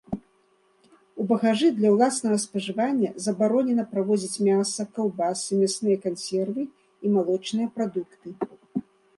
У багажы для ўласнага спажывання забаронена правозіць мяса, каўбасы, мясныя кансервы і малочныя прадукты.